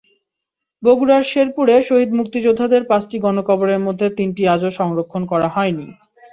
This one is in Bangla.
বগুড়ার শেরপুরে শহীদ মুক্তিযোদ্ধাদের পাঁচটি গণকবরের মধ্যে তিনটি আজও সংরক্ষণ করা হয়নি।